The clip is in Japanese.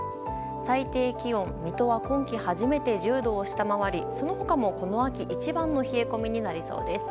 最低気温水戸は今季初めて１０度を下回りその他もこの秋一番の冷え込みになりそうです。